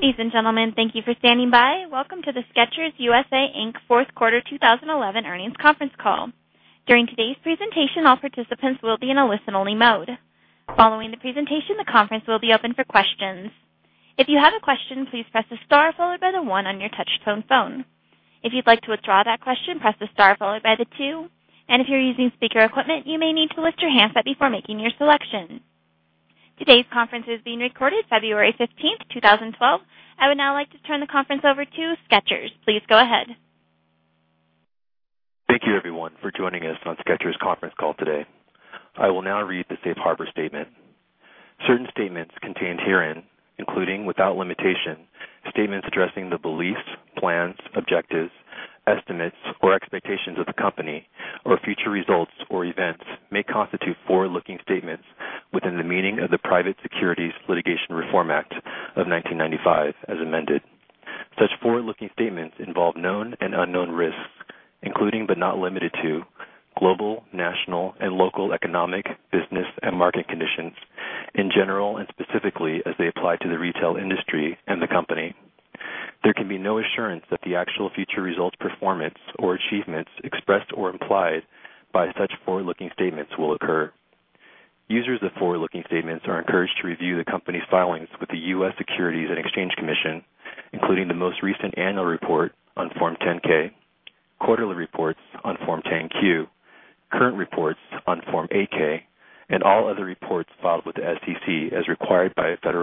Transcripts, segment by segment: Ladies and gentlemen, thank you for standing by. Welcome to the Skechers U.S.A., Inc. Fourth Quarter 2011 Earnings Conference Call. During today's presentation, all participants will be in a listen-only mode. Following the presentation, the conference will be open for questions. If you have a question, please press the Star followed by the one on your touch-tone phone. If you'd like to withdraw that question, press the Star followed by the two, and if you're using speaker equipment, you may need to lift your hands up before making your selection. Today's conference is being recorded, February 15, 2012. I would now like to turn the conference over to Skechers. Please go ahead. Thank you, everyone, for joining us on Skechers' conference call today. I will now read the Safe Harbor Statement. Certain statements contained herein, including, without limitation, statements addressing the beliefs, plans, objectives, estimates, or expectations of the company, or future results or events, may constitute forward-looking statements within the meaning of the Private Securities Litigation Reform Act of 1995 as amended. Such forward-looking statements involve known and unknown risks, including but not limited to global, national, and local economic, business, and market conditions in general and specifically as they apply to the retail industry and the company. There can be no assurance that the actual future results, performance, or achievements expressed or implied by such forward-looking statements will occur. Users of forward-looking statements are encouraged to review the company's filings with the U.S. Securities and Exchange Commission, including the most recent annual report on Form 10-K, quarterly reports on Form 10-Q, current reports on Form 8-K, and all other reports filed with the SEC as required by federal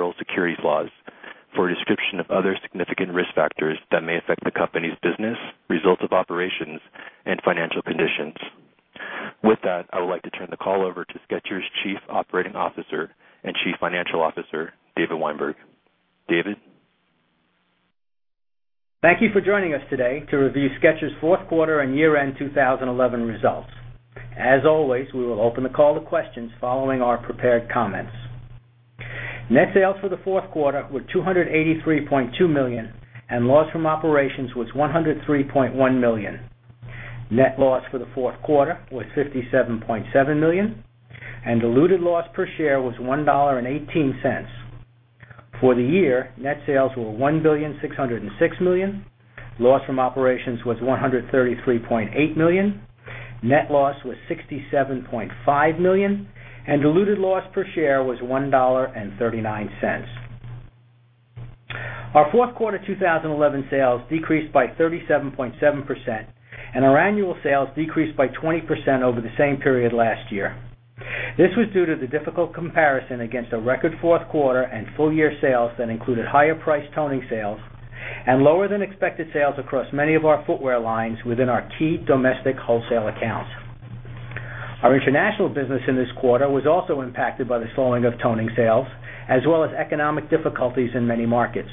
securities laws for a description of other significant risk factors that may affect the company's business, results of operations, and financial conditions. With that, I would like to turn the call over to Skechers' Chief Operating Officer and Chief Financial Officer, David Weinberg. David? Thank you for joining us today to review Skechers' fourth quarter and year-end 2011 results. As always, we will open the call to questions following our prepared comments. Net sales for the fourth quarter were $283.2 million, and loss from operations was $103.1 million. Net loss for the fourth quarter was $57.7 million, and diluted loss per share was $1.18. For the year, net sales were $1,606 million, loss from operations was $133.8 million, net loss was $67.5 million, and diluted loss per share was $1.39. Our fourth quarter 2011 sales decreased by 37.7%, and our annual sales decreased by 20% over the same period last year. This was due to the difficult comparison against a record fourth quarter and full-year sales that included higher price toning sales and lower than expected sales across many of our footwear lines within our key domestic wholesale accounts. Our international business in this quarter was also impacted by the slowing of toning sales, as well as economic difficulties in many markets.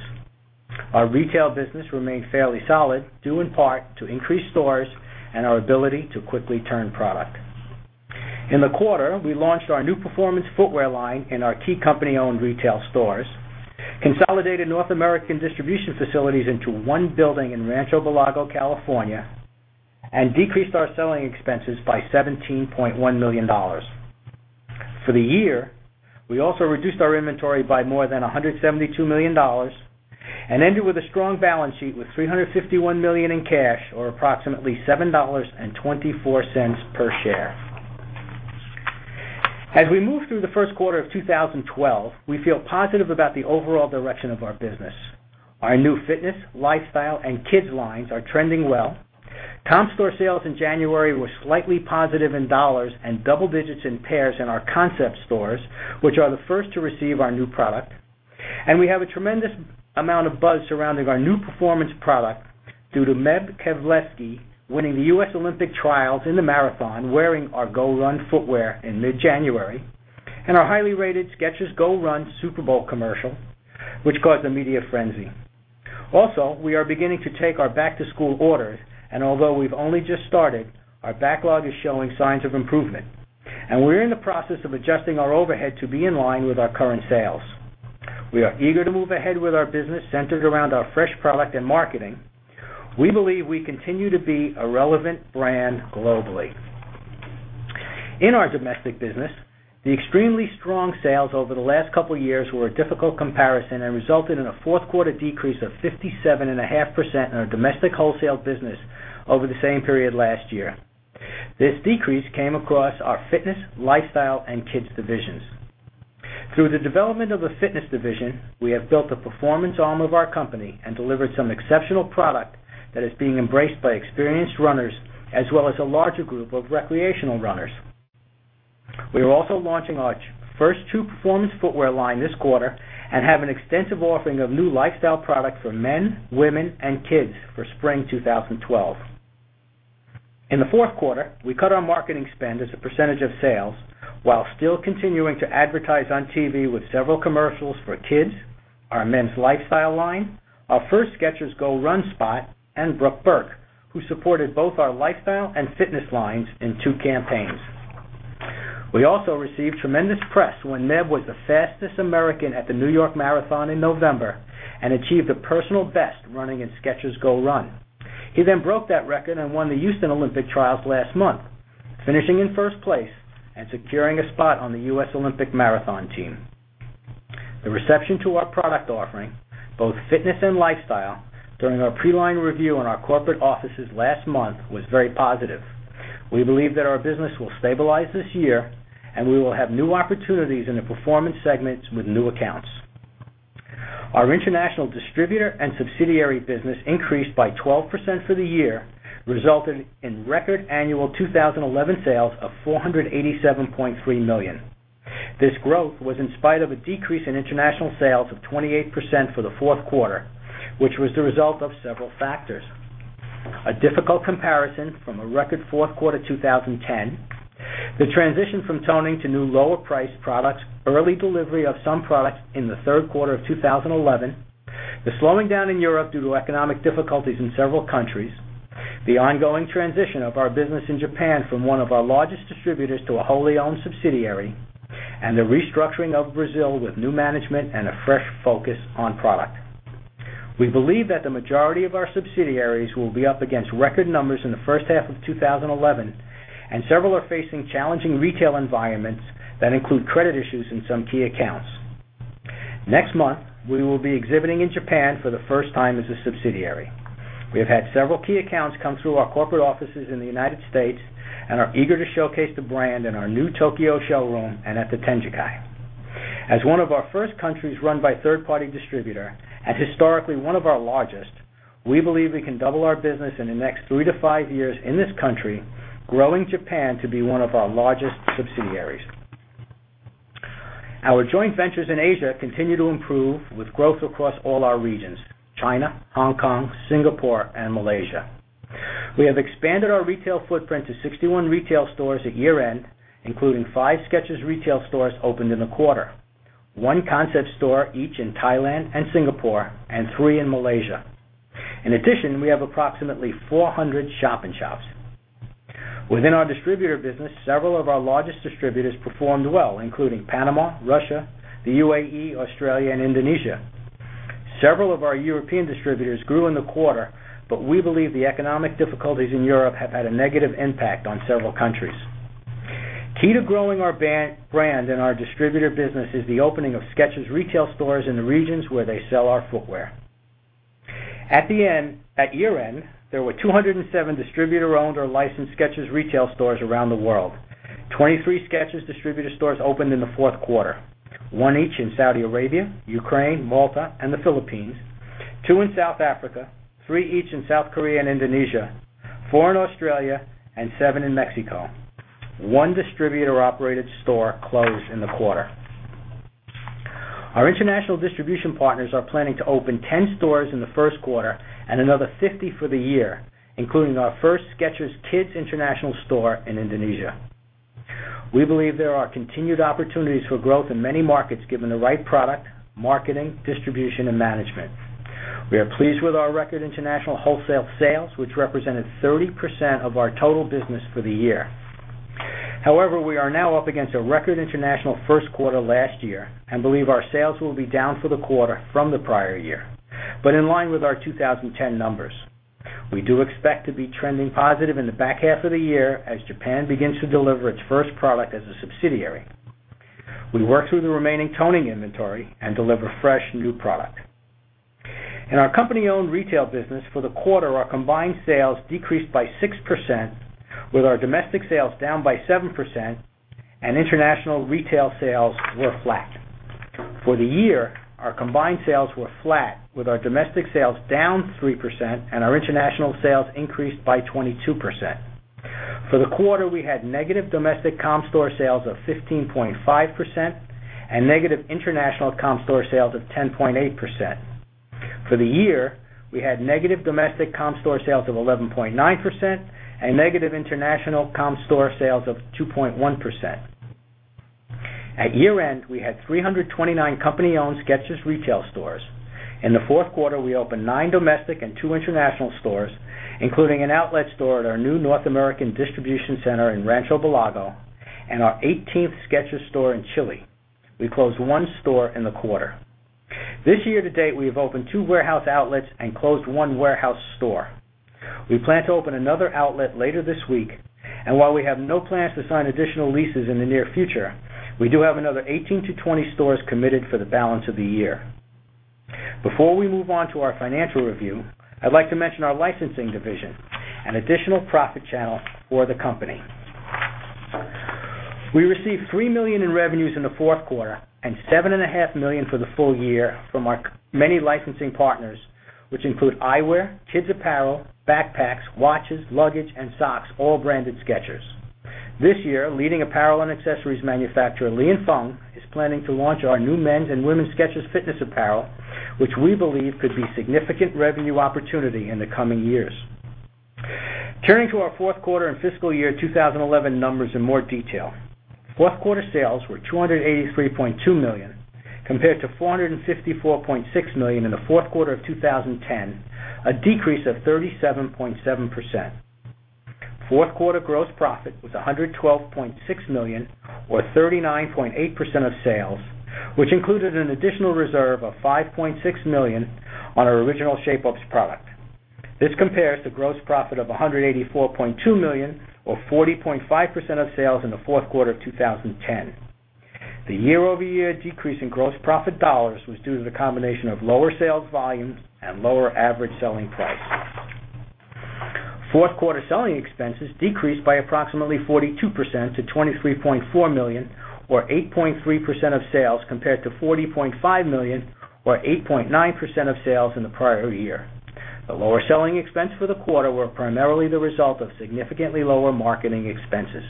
Our retail business remained fairly solid, due in part to increased stores and our ability to quickly turn product. In the quarter, we launched our new performance footwear line in our key company-owned retail stores, consolidated North American distribution facilities into one building in Rancho Belago, California, and decreased our selling expenses by $17.1 million. For the year, we also reduced our inventory by more than $172 million and ended with a strong balance sheet with $351 million in cash, or approximately $7.24 per share. As we move through the first quarter of 2012, we feel positive about the overall direction of our business. Our new fitness, lifestyle, and kids lines are trending well. Top store sales in January were slightly positive in dollars and double digits in pairs in our concept stores, which are the first to receive our new product. We have a tremendous amount of buzz surrounding our new performance product due to Meb Keflezighi winning the US Olympic trials in the marathon wearing our Skechers GO RUN footwear in mid-January, and our highly rated Skechers GO RUN Super Bowl commercial, which caused a media frenzy. We are beginning to take our back-to-school orders, and although we've only just started, our backlog is showing signs of improvement. We are in the process of adjusting our overhead to be in line with our current sales. We are eager to move ahead with our business centered around our fresh product and marketing. We believe we continue to be a relevant brand globally. In our domestic business, the extremely strong sales over the last couple of years were a difficult comparison and resulted in a fourth quarter decrease of 57.5% in our domestic wholesale business over the same period last year. This decrease came across our fitness, lifestyle, and kids divisions. Through the development of the fitness division, we have built the performance arm of our company and delivered some exceptional product that is being embraced by experienced runners, as well as a larger group of recreational runners. We are also launching our first two performance footwear lines this quarter and have an extensive offering of new lifestyle products for men, women, and kids for spring 2012. In the fourth quarter, we cut our marketing spend as a percentage of sales, while still continuing to advertise on TV with several commercials for kids, our men's lifestyle line, our first Skechers GO RUN spot, and Brooke Burke, who supported both our lifestyle and fitness lines in two campaigns. We also received tremendous press when Meb was the fastest American at the New York Marathon in November and achieved a personal best running in Skechers GO RUN. He then broke that record and won the Houston Olympic trials last month, finishing in first place and securing a spot on the US Olympic Marathon team. The reception to our product offering, both fitness and lifestyle, during our pre-line review in our corporate offices last month was very positive. We believe that our business will stabilize this year, and we will have new opportunities in the performance segments with new accounts. Our international distributor and subsidiary business increased by 12% for the year, resulting in record annual 2011 sales of $487.3 million. This growth was in spite of a decrease in international sales of 28% for the fourth quarter, which was the result of several factors: a difficult comparison from a record fourth quarter 2010, the transition from toning to new lower-priced products, early delivery of some products in the third quarter of 2011, the slowing down in Europe due to economic difficulties in several countries, the ongoing transition of our business in Japan from one of our largest distributors to a wholly owned subsidiary, and the restructuring of Brazil with new management and a fresh focus on product. We believe that the majority of our subsidiaries will be up against record numbers in the first half of 2011, and several are facing challenging retail environments that include credit issues in some key accounts. Next month, we will be exhibiting in Japan for the first time as a subsidiary. We have had several key accounts come through our corporate offices in the United States and are eager to showcase the brand in our new Tokyo showroom and at the Tenkai as one of our first countries run by third-party distributor and historically one of our largest. We believe we can double our business in the next three to five years in this country, growing Japan to be one of our largest subsidiaries. Our joint ventures in Asia continue to improve with growth across all our regions: China, Hong Kong, Singapore, and Malaysia. We have expanded our retail footprint to 61 retail stores at year-end, including five Skechers retail stores opened in a quarter, one concept store each in Thailand and Singapore, and three in Malaysia. In addition, we have approximately 400 shopping shops. Within our distributor business, several of our largest distributors performed well, including Panama, Russia, the UAE, Australia, and Indonesia. Several of our European distributors grew in the quarter, but we believe the economic difficulties in Europe have had a negative impact on several countries. Key to growing our brand and our distributor business is the opening of Skechers retail stores in the regions where they sell our footwear. At year-end, there were 207 distributor-owned or licensed Skechers retail stores around the world. 33 Skechers distributor stores opened in the fourth quarter, one each in Saudi Arabia, Ukraine, Malta, and the Philippines, two in South Africa, three each in South Korea and Indonesia, four in Australia, and seven in Mexico. One distributor-operated store closed in the quarter. Our international distribution partners are planning to open 10 stores in the first quarter and another 50 for the year, including our first Skechers Kids International Store in Indonesia. We believe there are continued opportunities for growth in many markets given the right product, marketing, distribution, and management. We are pleased with our record international wholesale sales, which represented 30% of our total business for the year. However, we are now up against a record international first quarter last year and believe our sales will be down for the quarter from the prior year, but in line with our 2010 numbers. We do expect to be trending positive in the back half of the year as Japan begins to deliver its first product as a subsidiary. We work through the remaining toning inventory and deliver fresh new product. In our company-owned retail business for the quarter, our combined sales decreased by 6%, with our domestic sales down by 7%, and international retail sales were flat. For the year, our combined sales were flat, with our domestic sales down 3%, and our international sales increased by 22%. For the quarter, we had negative domestic comp store sales of 15.5% and negative international comp store sales of 10.8%. For the year, we had negative domestic comp store sales of 11.9% and negative international comp store sales of 2.1%. At year-end, we had 329 company-owned Skechers retail stores. In the fourth quarter, we opened nine domestic and two international stores, including an outlet store at our new North American distribution center in Rancho Belago, California, and our 18th Skechers store in Chile. We closed one store in the quarter. This year to date, we have opened two warehouse outlets and closed one warehouse store. We plan to open another outlet later this week, and while we have no plans to sign additional leases in the near future, we do have another 18-20 stores committed for the balance of the year. Before we move on to our financial review, I'd like to mention our licensing division, an additional profit channel for the company. We received $3 million in revenues in the fourth quarter and $7.5 million for the full year from our many licensing partners, which include eyewear, kids apparel, backpacks, watches, luggage, and socks, all branded Skechers. This year, leading apparel and accessories manufacturer Lianfeng is planning to launch our new men's and women's Skechers fitness apparel, which we believe could be a significant revenue opportunity in the coming years. Turning to our fourth quarter and fiscal year 2011 numbers in more detail, fourth quarter sales were $283.2 million compared to $454.6 million in the fourth quarter of 2010, a decrease of 37.7%. Fourth quarter gross profit was $112.6 million, or 39.8% of sales, which included an additional reserve of $5.6 million on our original Shape-Ups product. This compares to gross profit of $184.2 million, or 40.5% of sales in the fourth quarter of 2010. The year-over-year decrease in gross profit dollars was due to the combination of lower sales volumes and lower average selling price. Fourth quarter selling expenses decreased by approximately 42% to $23.4 million, or 8.3% of sales compared to $40.5 million, or 8.9% of sales in the prior year. The lower selling expense for the quarter was primarily the result of significantly lower marketing expenses.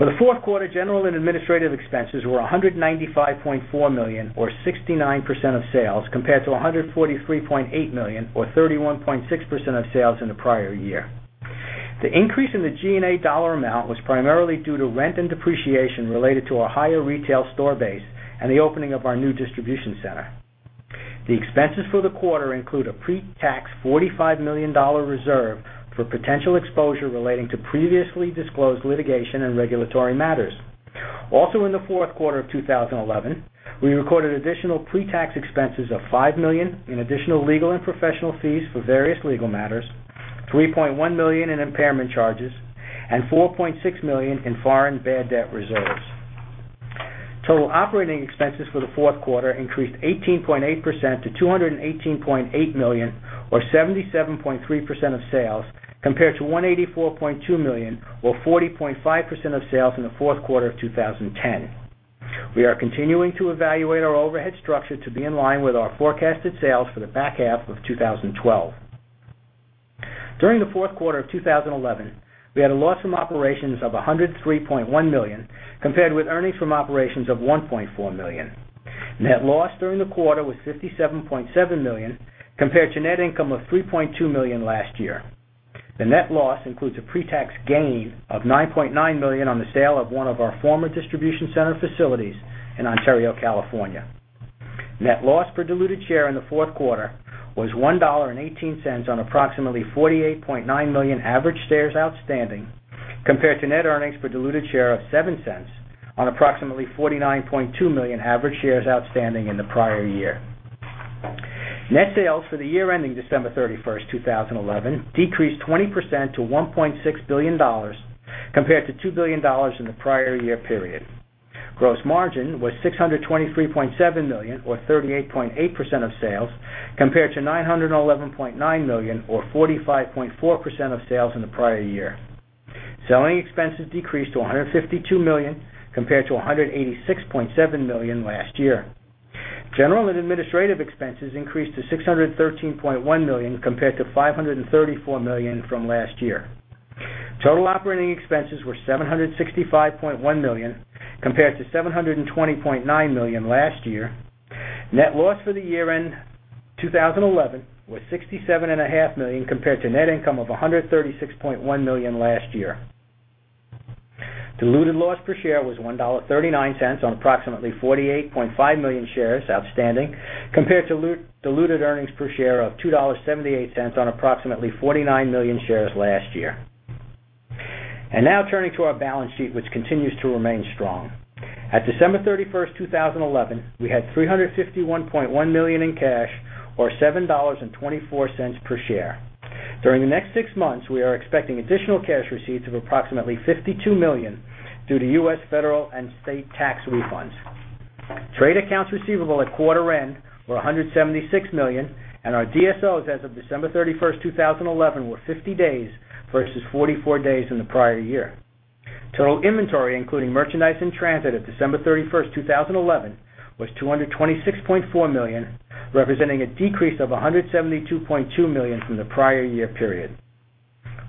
For the fourth quarter, general and administrative expenses were $195.4 million, or 69% of sales compared to $143.8 million, or 31.6% of sales in the prior year. The increase in the G&A dollar amount was primarily due to rent and depreciation related to our higher retail store base and the opening of our new distribution center. The expenses for the quarter include a pre-tax $45 million reserve for potential exposure relating to previously disclosed litigation and regulatory matters. Also, in the fourth quarter of 2011, we recorded additional pre-tax expenses of $5 million in additional legal and professional fees for various legal matters, $3.1 million in impairment charges, and $4.6 million in foreign bad debt reserves. Total operating expenses for the fourth quarter increased 18.8% to $218.8 million, or 77.3% of sales compared to $184.2 million, or 40.5% of sales in the fourth quarter of 2010. We are continuing to evaluate our overhead structure to be in line with our forecasted sales for the back half of 2012. During the fourth quarter of 2011, we had a loss from operations of $103.1 million compared with earnings from operations of $1.4 million. Net loss during the quarter was $57.7 million compared to net income of $3.2 million last year. The net loss includes a pre-tax gain of $9.9 million on the sale of one of our former distribution center facilities in Ontario, California. Net loss per diluted share in the fourth quarter was $1.18 on approximately 48.9 million average shares outstanding, compared to net earnings per diluted share of $0.07 on approximately 49.2 million average shares outstanding in the prior year. Net sales for the year ending December 31, 2011, decreased 20% to $1.6 billion compared to $2 billion in the prior year period. Gross margin was $623.7 million, or 38.8% of sales, compared to $911.9 million, or 45.4% of sales in the prior year. Selling expenses decreased to $152 million compared to $186.7 million last year. General and administrative expenses increased to $613.1 million compared to $534 million from last year. Total operating expenses were $765.1 million compared to $720.9 million last year. Net loss for the year end 2011 was $67.5 million compared to net income of $136.1 million last year. Diluted loss per share was $1.39 on approximately 48.5 million shares outstanding compared to diluted earnings per share of $2.78 on approximately 49 million shares last year. Turning to our balance sheet, which continues to remain strong, at December 31, 2011, we had $351.1 million in cash, or $7.24 per share. During the next six months, we are expecting additional cash receipts of approximately $52 million due to U.S. federal and state tax refunds. Trade accounts receivable at quarter end were $176 million, and our DSOs as of December 31, 2011, were 50 days versus 44 days in the prior year. Total inventory, including merchandise in transit at December 31, 2011, was $226.4 million, representing a decrease of $172.2 million from the prior year period.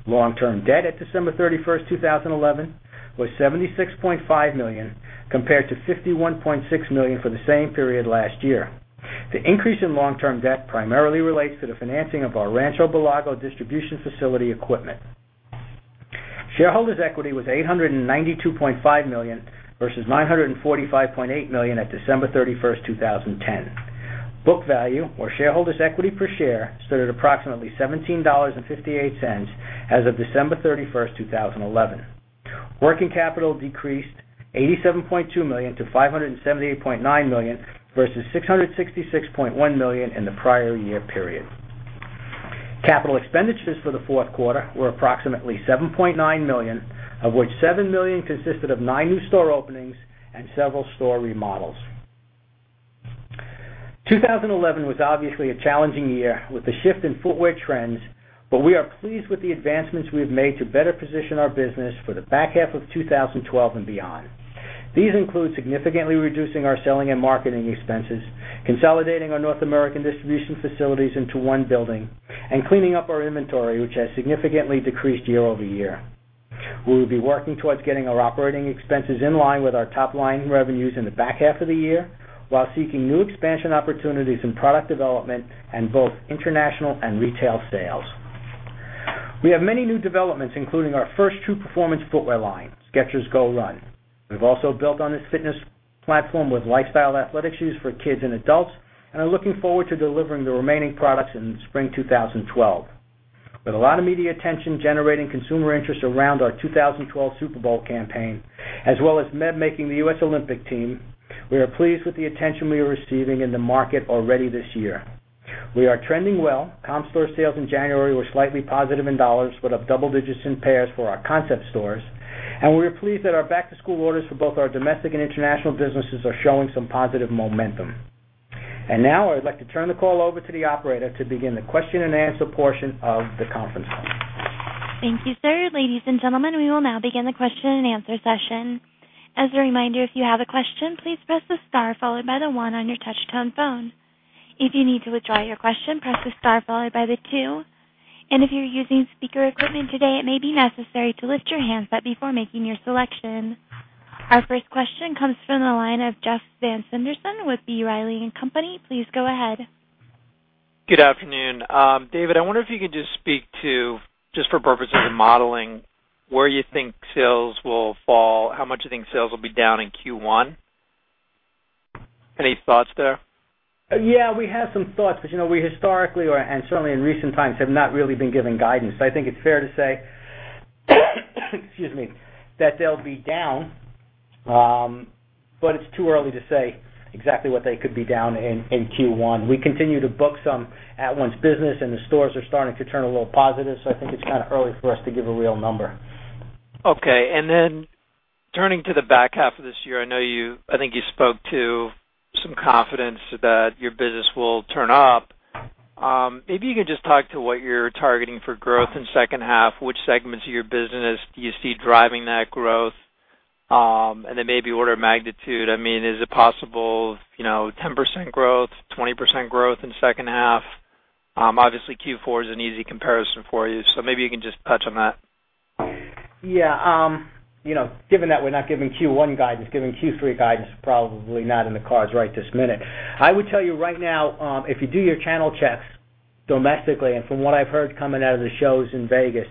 Long-term debt at December 31, 2011, was $76.5 million compared to $51.6 million for the same period last year. The increase in long-term debt primarily relates to the financing of our Rancho Belago distribution facility equipment. Shareholders' equity was $892.5 million versus $945.8 million at December 31, 2010. Book value, or shareholders' equity per share, stood at approximately $17.58 as of December 31, 2011. Working capital decreased $87.2 million-$578.9 million versus $666.1 million in the prior year period. Capital expenditures for the fourth quarter were approximately $7.9 million, of which $7 million consisted of nine new store openings and several store remodels. 2011 was obviously a challenging year with the shift in footwear trends, but we are pleased with the advancements we have made to better position our business for the back half of 2012 and beyond. These include significantly reducing our selling and marketing expenses, consolidating our North American distribution facilities into one building, and cleaning up our inventory, which has significantly decreased year-over-year. We will be working towards getting our operating expenses in line with our top line revenues in the back half of the year while seeking new expansion opportunities in product development and both international and retail sales. We have many new developments, including our first true performance footwear line, Skechers GO RUN. We've also built on this fitness platform with lifestyle athletic shoes for kids and adults and are looking forward to delivering the remaining products in spring 2012. With a lot of media attention generating consumer interest around our 2012 Super Bowl campaign, as well as Meb Keflezighi making the U.S. Olympic team, we are pleased with the attention we are receiving in the market already this year. We are trending well. Comp store sales in January were slightly positive in dollars, but have double digits in pairs for our concept stores, and we are pleased that our back-to-school orders for both our domestic and international businesses are showing some positive momentum. I would like to turn the call over to the operator to begin the question and answer portion of the conference. Thank you, sir. Ladies and gentlemen, we will now begin the question and answer session. As a reminder, if you have a question, please press the Star followed by the one on your touch-tone phone. If you need to withdraw your question, press the Star followed by the two. If you're using speaker equipment today, it may be necessary to lift your hands up before making your selection. Our first question comes from the line of Jeff Van Sinderen with B. Riley & Company. Please go ahead. Good afternoon. David, I wonder if you could just speak to, just for purposes of modeling, where you think sales will fall, how much you think sales will be down in Q1. Any thoughts there? Yeah, we have some thoughts, but you know we historically, and certainly in recent times, have not really been giving guidance. I think it's fair to say, excuse me, that they'll be down, but it's too early to say exactly what they could be down in Q1. We continue to book some at once business, and the stores are starting to turn a little positive. I think it's kind of early for us to give a real number. Okay. Turning to the back half of this year, I think you spoke to some confidence that your business will turn up. Maybe you could just talk to what you're targeting for growth in the second half, which segments of your business you see driving that growth, and then maybe order of magnitude. I mean, is it possible, you know, 10% growth, 20% growth in the second half? Obviously, Q4 is an easy comparison for you, so maybe you can just touch on that. Yeah. You know, given that we're not giving Q1 guidance, giving Q3 guidance is probably not in the cards right this minute. I would tell you right now, if you do your channel checks domestically, and from what I've heard coming out of the shows in Vegas,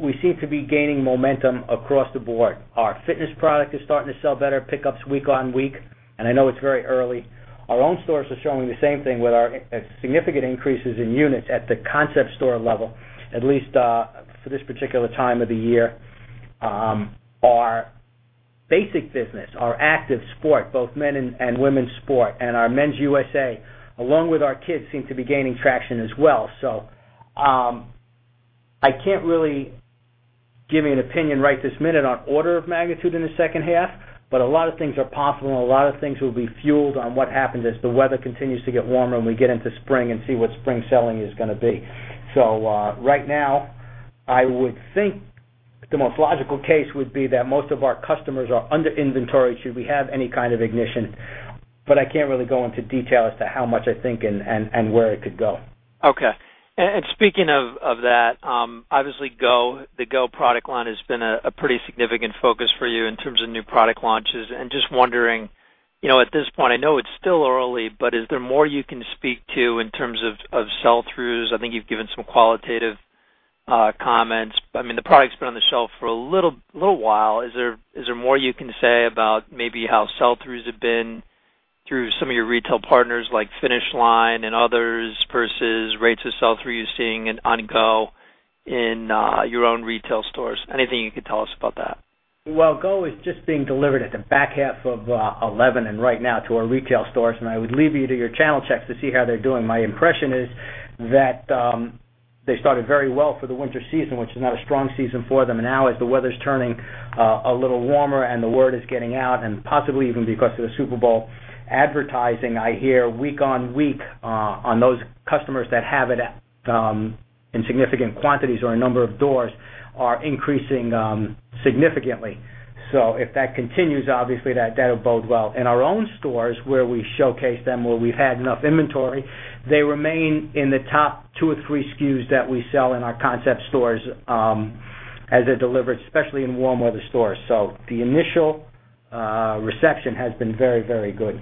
we seem to be gaining momentum across the board. Our fitness product is starting to sell better, pickups week on week, and I know it's very early. Our own stores are showing the same thing with our significant increases in units at the concept store level, at least for this particular time of the year. Our basic business, our active sport, both men and women's sport, and our men's U.S.A., along with our kids, seem to be gaining traction as well. I can't really give you an opinion right this minute on order of magnitude in the second half, but a lot of things are possible, and a lot of things will be fueled on what happens as the weather continues to get warmer and we get into spring and see what spring selling is going to be. Right now, I would think the most logical case would be that most of our customers are under inventory should we have any kind of ignition, but I can't really go into detail as to how much I think and where it could go. Okay. Speaking of that, obviously, the GO product line has been a pretty significant focus for you in terms of new product launches. Just wondering, at this point, I know it's still early, but is there more you can speak to in terms of sell-throughs? I think you've given some qualitative comments. The product's been on the shelf for a little while. Is there more you can say about maybe how sell-throughs have been through some of your retail partners like Finish Line and others versus rates of sell-through you're seeing on GO in your own retail stores? Anything you could tell us about that? GO RUN is just being delivered at the back half of 2011 and right now to our retail stores. I would leave you to your channel checks to see how they're doing. My impression is that they started very well for the winter season, which is not a strong season for them. Now, as the weather's turning a little warmer and the word is getting out, and possibly even because of the Super Bowl advertising, I hear week on week on those customers that have it in significant quantities or a number of doors are increasing significantly. If that continues, obviously, that'll bode well. In our own stores, where we showcase them, where we've had enough inventory, they remain in the top two or three SKUs that we sell in our concept stores as they're delivered, especially in warm weather stores. The initial reception has been very, very good.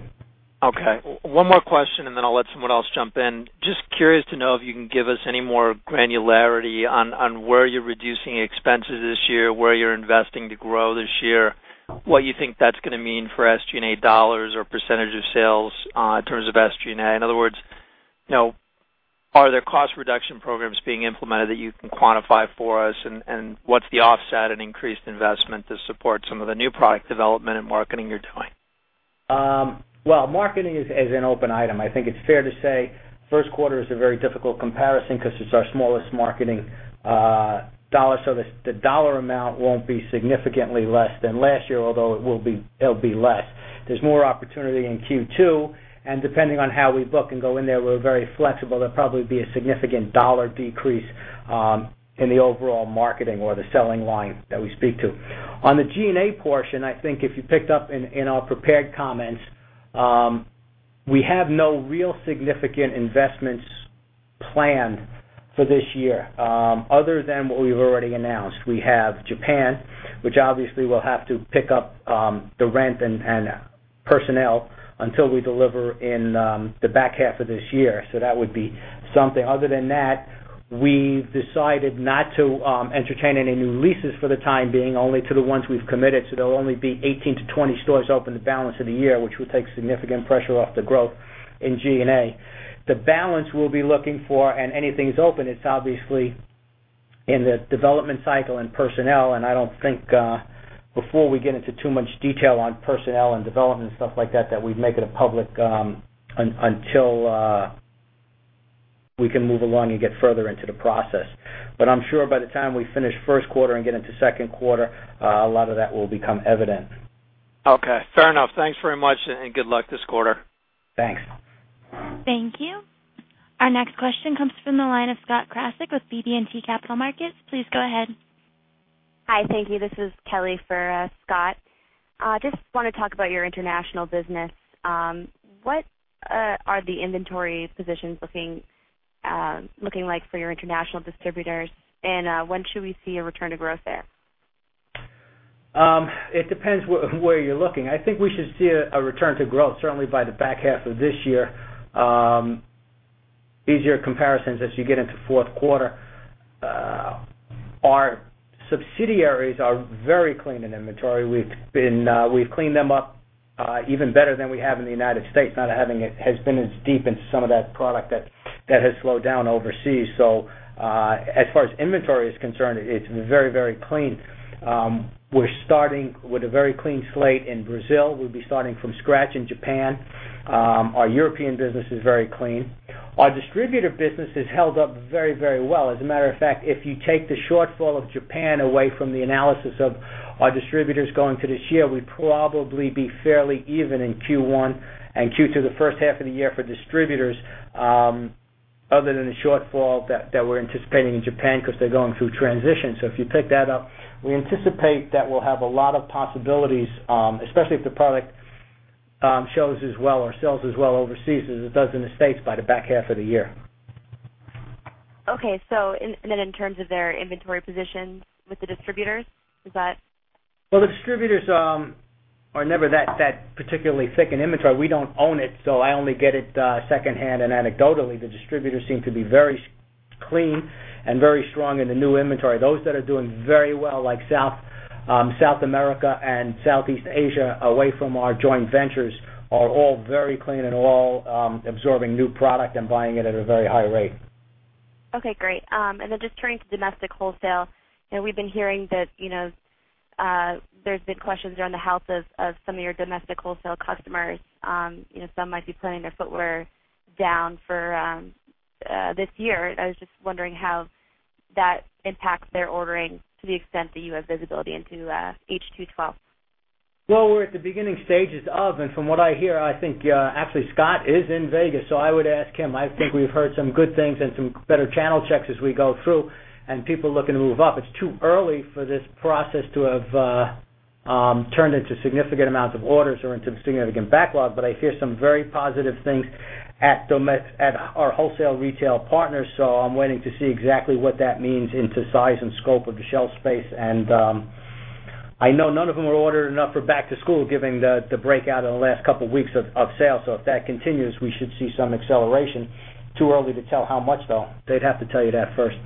Okay. One more question, and then I'll let someone else jump in. Just curious to know if you can give us any more granularity on where you're reducing expenses this year, where you're investing to grow this year, what you think that's going to mean for SG&A dollars or percentage of sales in terms of SG&A. In other words, are there cost reduction programs being implemented that you can quantify for us, and what's the offset and increased investment to support some of the new product development and marketing you're doing? Marketing is an open item. I think it's fair to say first quarter is a very difficult comparison because it's our smallest marketing dollar, so the dollar amount won't be significantly less than last year, although it will be less. There's more opportunity in Q2, and depending on how we book and go in there, we're very flexible. There will probably be a significant dollar decrease in the overall marketing or the selling line that we speak to. On the G&A portion, I think if you picked up in our prepared comments, we have no real significant investments planned for this year other than what we've already announced. We have Japan, which obviously will have to pick up the rent and personnel until we deliver in the back half of this year. That would be something. Other than that, we've decided not to entertain any new leases for the time being, only to the ones we've committed. There will only be 18 to 20 stores open the balance of the year, which would take significant pressure off the growth in G&A. The balance we'll be looking for, and anything's open, it's obviously in the development cycle and personnel. I don't think before we get into too much detail on personnel and development and stuff like that, that we'd make it public until we can move along and get further into the process. I'm sure by the time we finish first quarter and get into second quarter, a lot of that will become evident. Okay. Fair enough. Thanks very much, and good luck this quarter. Thanks. Thank you. Our next question comes from the line of Scott Krasik with BB&T Capital Markets. Please go ahead. Hi. Thank you. This is Kelly for Scott. I just want to talk about your international business. What are the inventory positions looking like for your international distributors, and when should we see a return to growth there? It depends where you're looking. I think we should see a return to growth certainly by the back half of this year. Easier comparisons as we get into fourth quarter. Our subsidiaries are very clean in inventory. We've cleaned them up even better than we have in the United States. Not having it has been as deep into some of that product that has slowed down overseas. As far as inventory is concerned, it's very, very clean. We're starting with a very clean slate in Brazil. We'll be starting from scratch in Japan. Our European business is very clean. Our distributor business has held up very, very well. As a matter of fact, if you take the shortfall of Japan away from the analysis of our distributors going to this year, we'd probably be fairly even in Q1 and Q2, the first half of the year for distributors other than the shortfall that we're anticipating in Japan because they're going through transition. If you pick that up, we anticipate that we'll have a lot of possibilities, especially if the product shows as well or sells as well overseas as it does in the States by the back half of the year. Okay, in terms of their inventory position with the distributors, is that? The distributors are never that particularly thick in inventory. We don't own it, so I only get it secondhand and anecdotally. The distributors seem to be very clean and very strong in the new inventory. Those that are doing very well, like South America and Southeast Asia away from our joint ventures, are all very clean and all absorbing new product and buying it at a very high rate. Okay. Great. Just turning to domestic wholesale, we've been hearing that there's been questions around the health of some of your domestic wholesale customers. Some might be planning their footwear down for this year. I was just wondering how that impacts their ordering to the extent that you have visibility into H2 2024? We are at the beginning stages of, and from what I hear, I think actually Scott is in Vegas, so I would ask him. I think we've heard some good things and some better channel checks as we go through and people looking to move up. It's too early for this process to have turned into significant amounts of orders or into a significant backlog, but I hear some very positive things at our wholesale retail partners. I am waiting to see exactly what that means into size and scope of the shelf space. I know none of them are ordering enough for back-to-school given the breakout in the last couple of weeks of sales. If that continues, we should see some acceleration. Too early to tell how much, though. They'd have to tell you that first.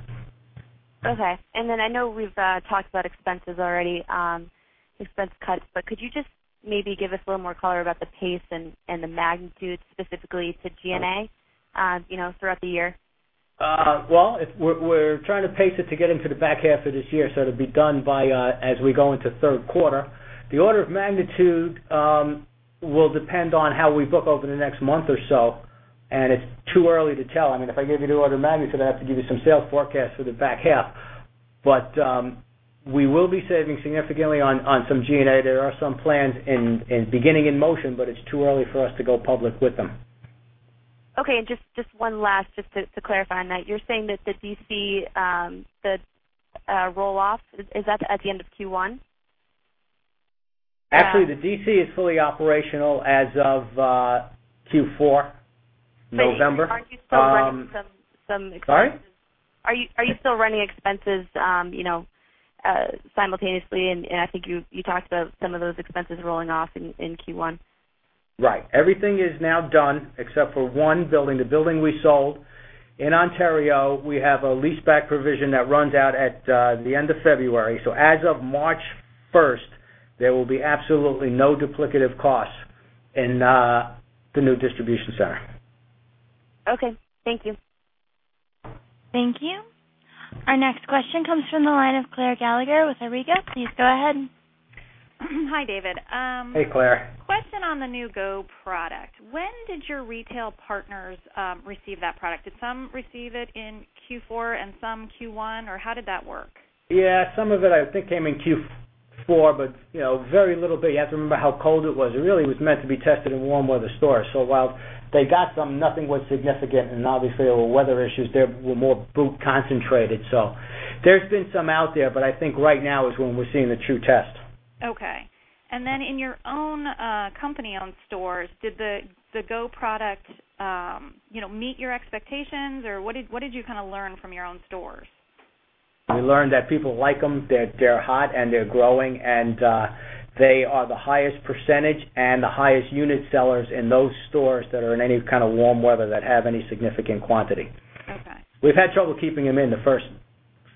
Okay. I know we've talked about expenses already, expense cuts, but could you just maybe give us a little more color about the pace and the magnitude specifically to G&A throughout the year? We are trying to pace it to get into the back half of this year, so it will be done by as we go into the third quarter. The order of magnitude will depend on how we book over the next month or so, and it is too early to tell. If I give you the order of magnitude, I would have to give you some sales forecasts for the back half. We will be saving significantly on some G&A. There are some plans beginning in motion, but it is too early for us to go public with them. Okay, just to clarify on that, you're saying that the DC rolloff, is that at the end of Q1? Actually, the DC is fully operational as of Q4, November. Are you still running some expenses? Sorry? Are you still running expenses simultaneously? I think you talked about some of those expenses rolling off in Q1. Right. Everything is now done except for one building, the building we sold in Ontario. We have a leaseback provision that runs out at the end of February. As of March 1, there will be absolutely no duplicative costs in the new distribution center. Okay, thank you. Thank you. Our next question comes from the line of Claire Gallacher with Auriga. Please go ahead. Hi, David. Hey, Claire. Question on the new GO RUN product. When did your retail partners receive that product? Did some receive it in Q4 and some Q1, or how did that work? Yeah, some of it, I think, came in Q4, but you know, very little bit. You have to remember how cold it was. It really was meant to be tested in warm weather stores. While they got some, nothing was significant, and obviously there were weather issues. They were more boot-concentrated. There has been some out there, but I think right now is when we're seeing the true test. Okay. In your own company-owned stores, did the GO product meet your expectations, or what did you kind of learn from your own stores? We learned that people like them, that they're hot and they're growing, and they are the highest percentage and the highest unit sellers in those stores that are in any kind of warm weather that have any significant quantity. Okay. We've had trouble keeping them in the first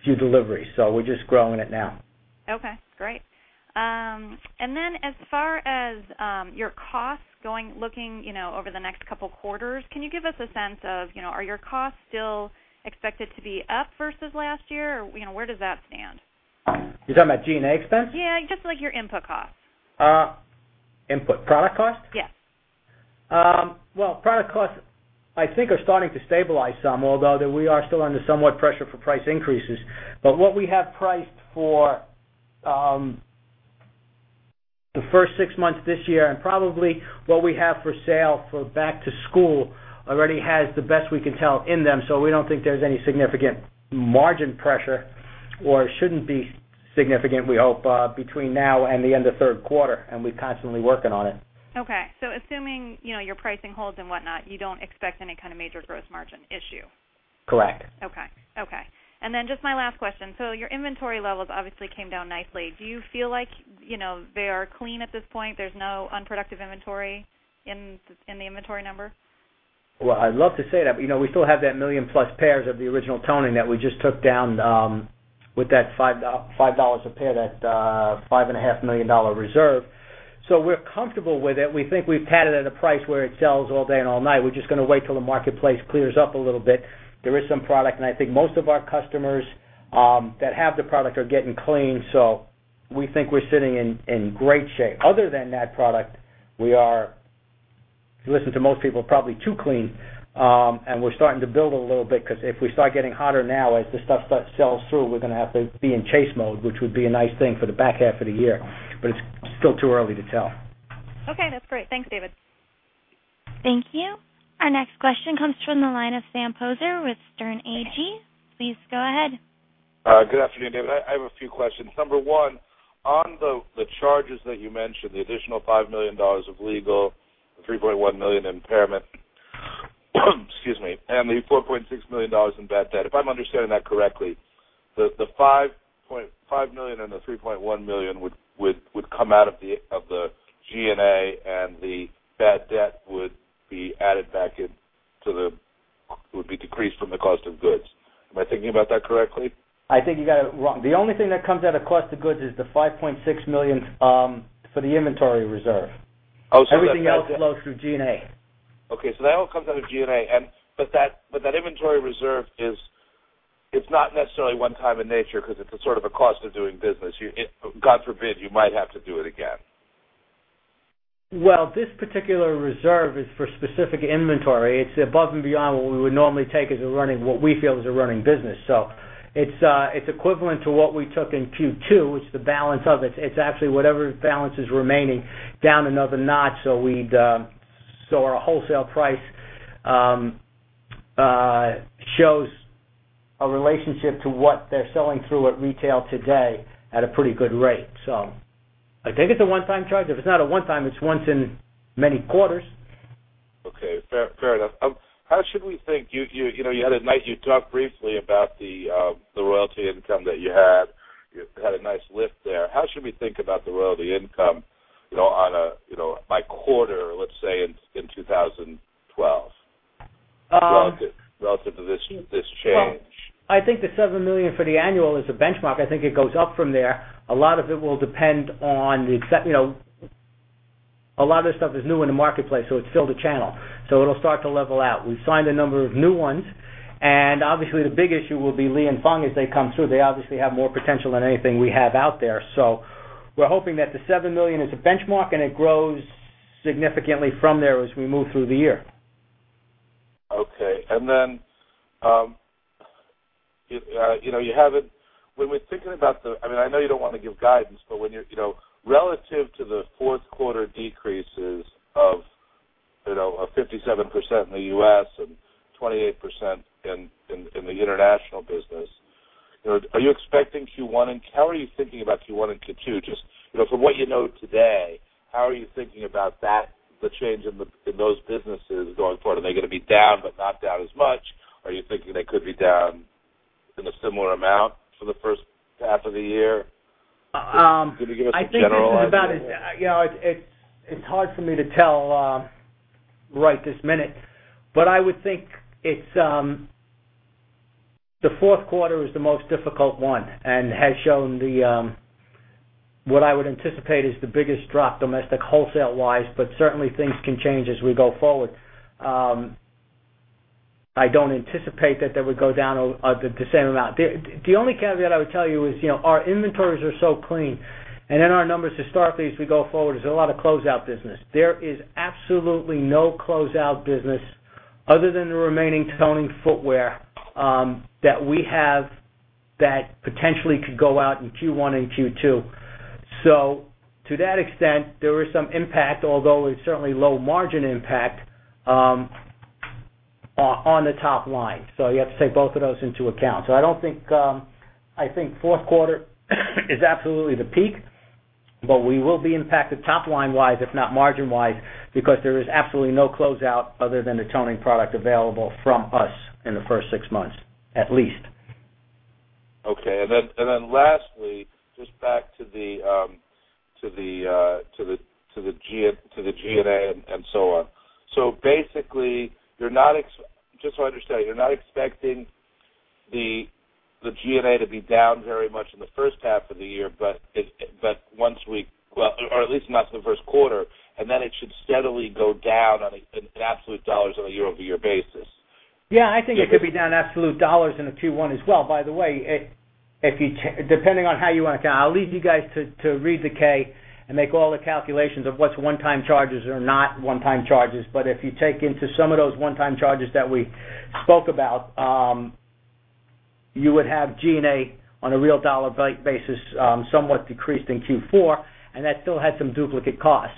few deliveries, so we're just growing it now. Great. As far as your costs going, looking over the next couple of quarters, can you give us a sense of, you know, are your costs still expected to be up versus last year, or where does that stand? You're talking about SG&A expenses? Yeah, just like your input costs. Input product cost? Yes. Product costs, I think, are starting to stabilize some, although we are still under somewhat pressure for price increases. What we have priced for the first six months this year and probably what we have for sale for back-to-school already has the best we can tell in them. We don't think there's any significant margin pressure or shouldn't be significant, we hope, between now and the end of third quarter, and we're constantly working on it. Okay. Assuming, you know, your pricing holds and whatnot, you don't expect any kind of major gross margin issue? Correct. Okay. My last question, your inventory levels obviously came down nicely. Do you feel like they are clean at this point? There's no unproductive inventory in the inventory number? I’d love to say that, but you know, we still have that million-plus pairs of the original toning that we just took down with that $5 a pair, that $5.5 million reserve. We’re comfortable with it. We think we’ve had it at a price where it sells all day and all night. We’re just going to wait till the marketplace clears up a little bit. There is some product, and I think most of our customers that have the product are getting clean. We think we’re sitting in great shape. Other than that product, we are, if you listen to most people, probably too clean, and we’re starting to build a little bit because if we start getting hotter now, as the stuff sells through, we’re going to have to be in chase mode, which would be a nice thing for the back half of the year. It’s still too early to tell. Okay, that's great. Thanks, David. Thank you. Our next question comes from the line of Sam Poser with Williams Trading. Please go ahead. Good afternoon, David. I have a few questions. Number one, on the charges that you mentioned, the additional $5 million of legal, the $3.1 million impairment, excuse me, and the $4.6 million in bad debt, if I'm understanding that correctly, the $5 million and the $3.1 million would come out of the G&A, and the bad debt would be added back into the, would be decreased from the cost of goods. Am I thinking about that correctly? I think you got it wrong. The only thing that comes out of cost of goods is the $5.6 million for the inventory reserve. Oh, that. Everything else flows through G&A. Okay, that all comes out of G&A, and that inventory reserve, it's not necessarily one-time in nature because it's sort of a cost of doing business. God forbid, you might have to do it again. This particular reserve is for specific inventory. It's above and beyond what we would normally take as a running, what we feel is a running business. It's equivalent to what we took in Q2, which is the balance of it. It's actually whatever balance is remaining down another notch. Our wholesale price shows a relationship to what they're selling through at retail today at a pretty good rate. I think it's a one-time charge. If it's not a one-time, it's once in many quarters. Okay. Fair enough. How should we think, you know, you had a nice, you talked briefly about the royalty income that you had. You had a nice lift there. How should we think about the royalty income, you know, on a, you know, by quarter, let's say, in 2012 relative to this change? I think the $7 million for the annual is a benchmark. I think it goes up from there. A lot of it will depend on the, you know, a lot of this stuff is new in the marketplace, so it's still the channel. It'll start to level out. We've signed a number of new ones, and obviously, the big issue will be Lianfeng as they come through. They obviously have more potential than anything we have out there. We're hoping that the $7 million is a benchmark and it grows significantly from there as we move through the year. Okay. When we're thinking about the, I mean, I know you don't want to give guidance, but when you're, you know, relative to the fourth quarter decreases of 57% in the U.S. and 28% in the international business, are you expecting Q1, and how are you thinking about Q1 and Q2? Just from what you know today, how are you thinking about that, the change in those businesses going forward? Are they going to be down but not down as much? Are you thinking they could be down in a similar amount for the first half of the year? I think all of the above is, you know, it's hard for me to tell right this minute. I would think the fourth quarter is the most difficult one and has shown what I would anticipate is the biggest drop domestic wholesale-wise, but certainly, things can change as we go forward. I don't anticipate that they would go down the same amount. The only caveat I would tell you is, you know, our inventories are so clean. In our numbers historically as we go forward, there's a lot of closeout business. There is absolutely no closeout business other than the remaining toning footwear that we have that potentially could go out in Q1 and Q2. To that extent, there is some impact, although it's certainly low margin impact on the top line. You have to take both of those into account. I think fourth quarter is absolutely the peak, but we will be impacted top line-wise, if not margin-wise, because there is absolutely no closeout other than the toning product available from us in the first six months, at least. Okay. Lastly, just back to the G&A and so on. Basically, you're not, just so I understand, you're not expecting the G&A to be down very much in the first half of the year, but once we, or at least not in the first quarter, it should steadily go down in absolute dollars on a year-over-year basis. Yeah, I think it could be down in absolute dollars in Q1 as well. By the way, if you, depending on how you want to count, I'll leave you guys to read the K and make all the calculations of what's one-time charges or not one-time charges. If you take into some of those one-time charges that we spoke about, you would have G&A on a real dollar basis somewhat decreased in Q4, and that still had some duplicate costs.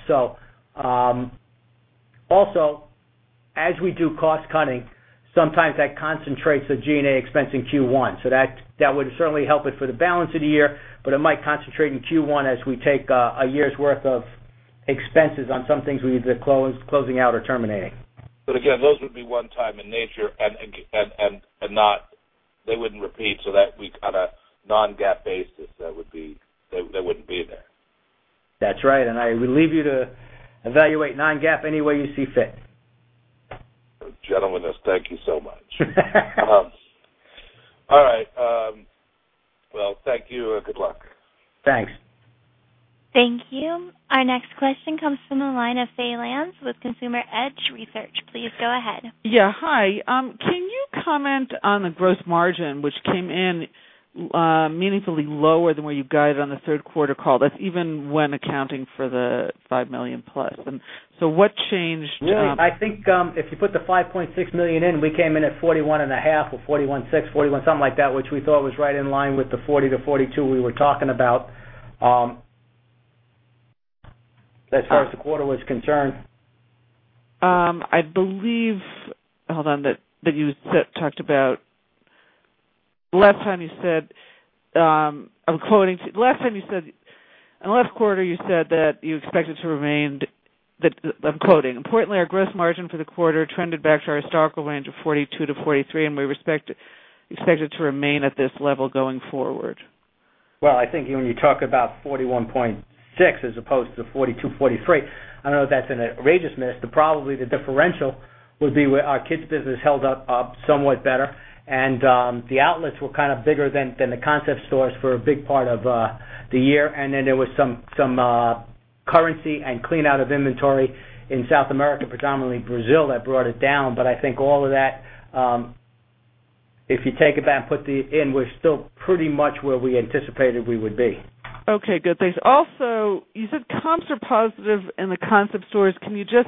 As we do cost cutting, sometimes that concentrates the G&A expense in Q1. That would certainly help it for the balance of the year, but it might concentrate in Q1 as we take a year's worth of expenses on some things we're either closing out or terminating. Those would be one-time in nature and not repeat. That would be kind of non-GAAP basis. They wouldn't be there. That's right. I would leave you to evaluate non-GAAP any way you see fit. Gentlemen, thank you so much. Thank you and good luck. Thanks. Thank you. Our next question comes from the line of Faye Landes with Consumer Edge Research. Please go ahead. Hi. Can you comment on the gross margin, which came in meaningfully lower than where you guided on the third quarter call, that's even when accounting for the $5 million plus? What changed? I think if you put the $5.6 million in, we came in at $41.5 million or $41.6 million, $41 million, something like that, which we thought was right in line with the $40 million-$42 million we were talking about as far as the quarter was concerned. I believe that you talked about the last time you said, I'm quoting, the last time you said, in the last quarter, you said that you expected to remain, I'm quoting, "Importantly, our gross margin for the quarter trended back to our historical range of $42-$43, and we expect it to remain at this level going forward. I think when you talk about $41.6 as opposed to $42-$43, I don't know if that's an egregiousness, but probably the differential would be where our kids' business held up somewhat better, and the outlets were kind of bigger than the concept stores for a big part of the year. There was some currency and clean-out of inventory in South America, predominantly Brazil, that brought it down. I think all of that, if you take it back and put the in, we're still pretty much where we anticipated we would be. Okay, good. Thanks. Also, you said comps are positive in the concept stores. Can you just,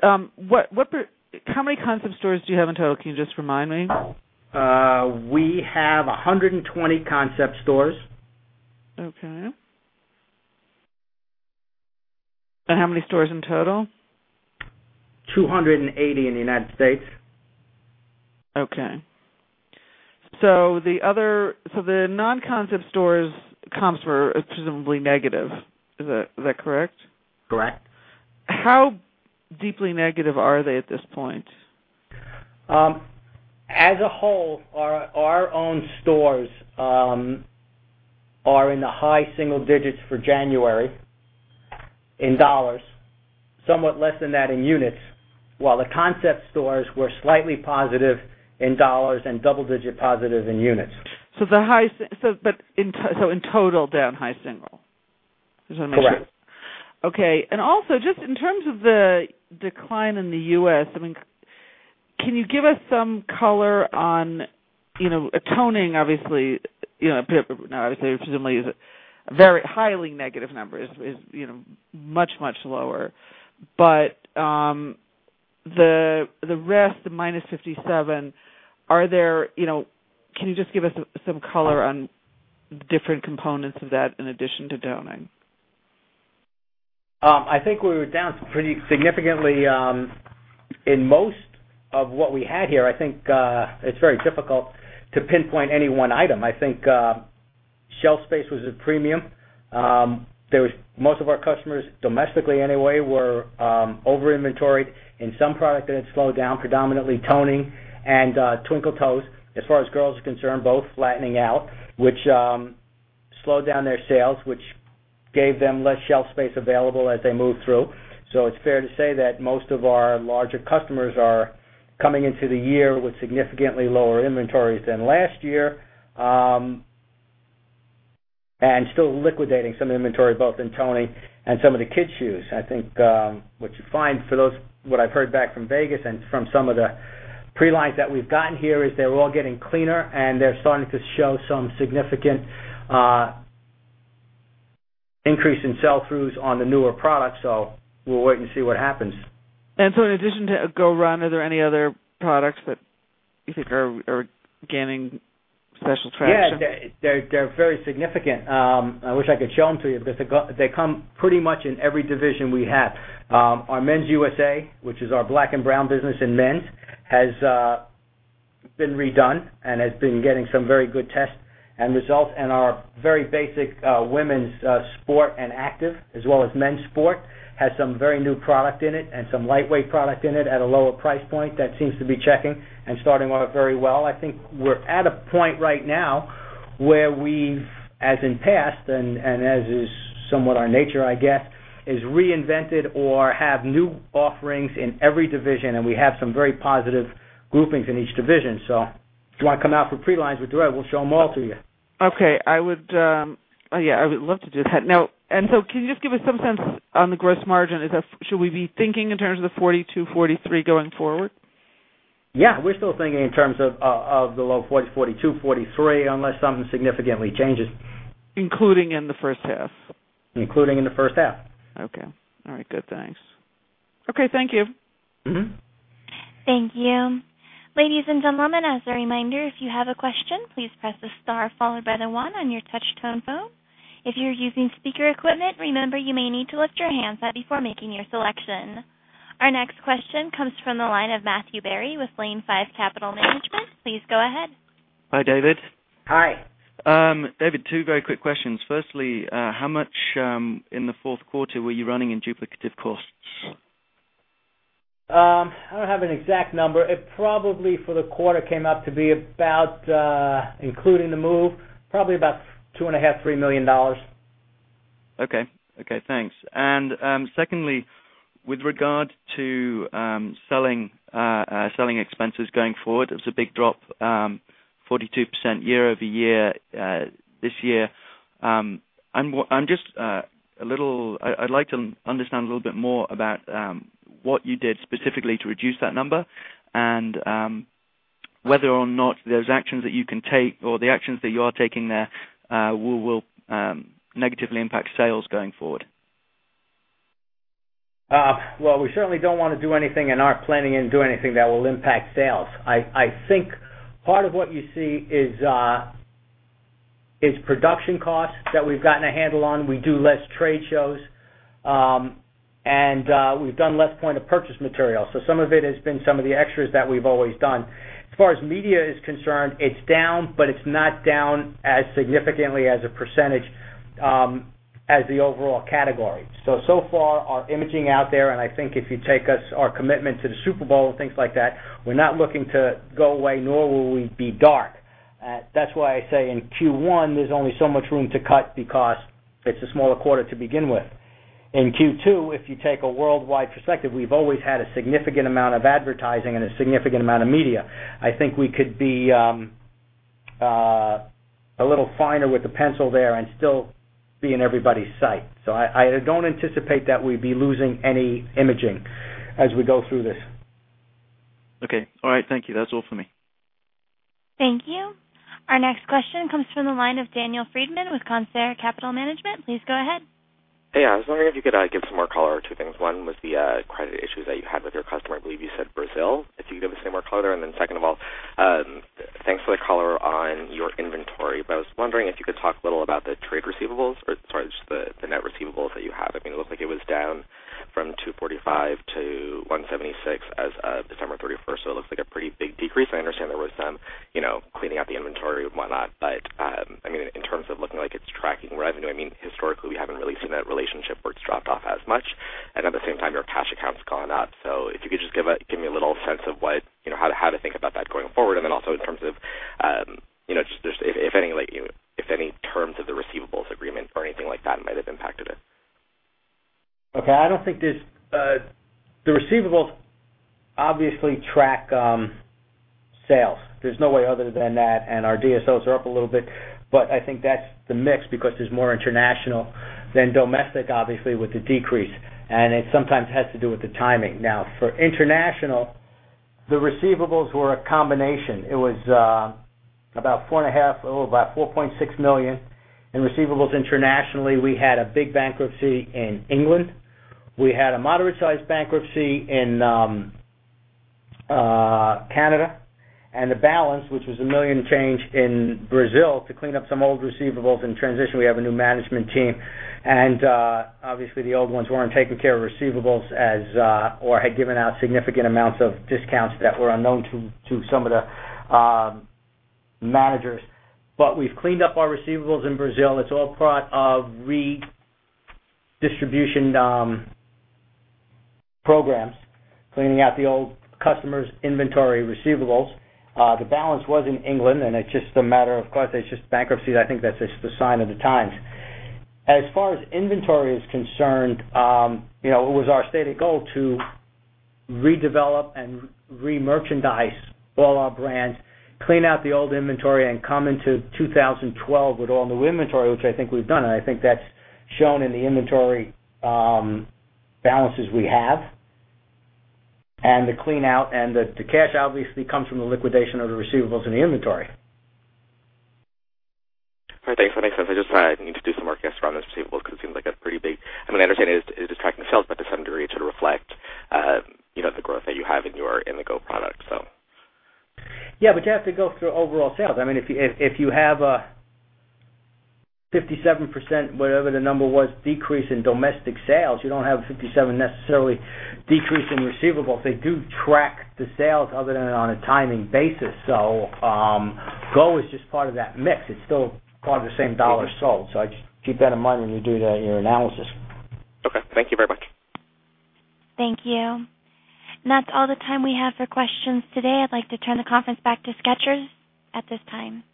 how many concept stores do you have in total? Can you just remind me? We have 120 concept stores. Okay, how many stores in total? 280 in the U.S. Okay. The other, the non-concept stores' comps were presumably negative. Is that correct? Correct. How deeply negative are they at this point? As a whole, our own stores are in the high single-digits for January in dollars, somewhat less than that in units, while the concept stores were slightly positive in dollars and double-digit positive in units. In total, down high single. Correct. Does that make sense? Okay. Also, just in terms of the decline in the U.S., can you give us some color on toning? Obviously, we presumably use a very highly negative number, it is much, much lower. The rest, the minus 57%, are there, can you just give us some color on the different components of that in addition to toning? I think we were down pretty significantly in most of what we had here. I think it's very difficult to pinpoint any one item. I think shelf space was at a premium. Most of our customers domestically, anyway, were over-inventoried. In some product, it had slowed down, predominantly toning and Twinkle Toes. As far as girls are concerned, both flattening out, which slowed down their sales, which gave them less shelf space available as they moved through. It's fair to say that most of our larger customers are coming into the year with significantly lower inventories than last year and still liquidating some inventory, both in toning and some of the kids' shoes. I think what you find for those, what I've heard back from Vegas and from some of the prelines that we've gotten here is they're all getting cleaner and they're starting to show some significant increase in sell-throughs on the newer products. We will wait and see what happens. In addition to Skechers GO RUN, are there any other products that you think are gaining special traction? Yeah, they're very significant. I wish I could show them to you, but they come pretty much in every division we have. Our men's U.S.A., which is our black and brown business in men's, has been redone and has been getting some very good tests and results. Our very basic women's sport and active, as well as men's sport, has some very new product in it and some lightweight product in it at a lower price point that seems to be checking and starting off very well. I think we're at a point right now where we've, as in past and as is somewhat our nature, I guess, reinvented or have new offerings in every division. We have some very positive groupings in each division. If you want to come out for prelines with Dre, we'll show them all to you. Okay, I would love to do that. Now, can you just give us some sense on the gross margin? Should we be thinking in terms of the $42-$43 going forward? Yeah, we're still thinking in terms of the low $40-$42, $43, unless something significantly changes. Including in the first half. Including in the first half. Okay. All right. Good, thanks. Okay. Thank you. Thank you. Ladies and gentlemen, as a reminder, if you have a question, please press the Star followed by the one on your touch-tone phone. If you're using speaker equipment, remember you may need to lift your handset before making your selection. Our next question comes from the line of Matthew Berry with Lane Five Capital Management. Please go ahead. Hi, David. Hi. David, two very quick questions. Firstly, how much in the fourth quarter were you running in duplicative costs? I don't have an exact number. It probably for the quarter came up to be about, including the move, probably about $2.5 million, $3 million. Okay. Thanks. Secondly, with regard to selling expenses going forward, it was a big drop, 42% year-over-year this year. I'm just a little, I'd like to understand a little bit more about what you did specifically to reduce that number and whether or not those actions that you can take or the actions that you are taking there will negatively impact sales going forward. We certainly don't want to do anything and aren't planning to do anything that will impact sales. I think part of what you see is production costs that we've gotten a handle on. We do less trade shows, and we've done less point of purchase material. Some of it has been some of the extras that we've always done. As far as media is concerned, it's down, but it's not down as significantly as a percentage as the overall category. So far, our imaging out there, and I think if you take us, our commitment to the Super Bowl and things like that, we're not looking to go away, nor will we be dark. That's why I say in Q1, there's only so much room to cut because it's a smaller quarter to begin with. In Q2, if you take a worldwide perspective, we've always had a significant amount of advertising and a significant amount of media. I think we could be a little finer with the pencil there and still be in everybody's sight. I don't anticipate that we'd be losing any imaging as we go through this. Okay. All right. Thank you. That's all for me. Thank you. Our next question comes from the line of Daniel Friedman with Concier Capital Management. Please go ahead. Hey, I was wondering if you could give some more color to things. One was the credit issues that you had with your customer. I believe you said Brazil. If you could give us some more color there. Thanks for the color on your inventory, but I was wondering if you could talk a little about the trade receivables or, sorry, just the net receivables that you have. I mean, it looked like it was down from $245 millio-$176 million as of December 31, 2023. It looks like a pretty big decrease. I understand there was some cleaning out the inventory and whatnot. In terms of looking like it's tracking revenue, historically, we haven't really seen that relationship where it's dropped off as much. At the same time, your cash account's gone up. If you could just give me a little sense of how to think about that going forward. Also, in terms of if any terms of the receivables agreement or anything like that might have impacted it. Okay. I don't think there's, the receivables obviously track sales. There's no way other than that. Our DSOs are up a little bit, but I think that's the mix because there's more international than domestic, obviously, with the decrease. It sometimes has to do with the timing. For international, the receivables were a combination. It was about $4.5 million or about $4.6 million. Receivables internationally, we had a big bankruptcy in England. We had a moderate-sized bankruptcy in Canada. The balance, which was $1 million and change in Brazil, to clean up some old receivables and transition, we have a new management team. Obviously, the old ones weren't taking care of receivables or had given out significant amounts of discounts that were unknown to some of the managers. We've cleaned up our receivables in Brazil. It's all part of redistribution programs, cleaning out the old customers' inventory receivables. The balance was in England, and it's just a matter of, of course, it's just bankruptcies. I think that's just a sign of the times. As far as inventory is concerned, it was our stated goal to redevelop and remerchandise all our brands, clean out the old inventory, and come into 2012 with all new inventory, which I think we've done. I think that's shown in the inventory balances we have. The clean-out and the cash obviously comes from the liquidation of the receivables in the inventory. All right. Thanks. That makes sense. I just need to do some work, I guess, around those receivables because it seems like a pretty big, I mean, I understand it is tracking the sales, but to some degree, it should reflect, you know, the growth that you have in your in the Skechers GO product. Yeah, you have to go through overall sales. I mean, if you have a 57% decrease in domestic sales, you don't have a 57% necessarily decrease in receivables. They do track the sales other than on a timing basis. GO is just part of that mix. It's still part of the same dollars sold. I just keep that in mind when you do your analysis. Okay, thank you very much. Thank you. That's all the time we have for questions today. I'd like to turn the conference back to Skechers at this time.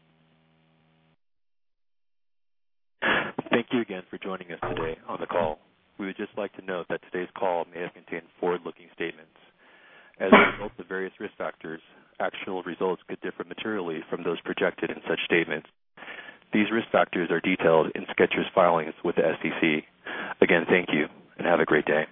Thank you again for joining us today on the call. We would just like to note that today's call may have contained forward-looking statements. As a result of various risk factors, actual results could differ materially from those projected in such statements. These risk factors are detailed in Skechers U.S.A., Inc.'s filings with the SEC. Again, thank you and have a great day.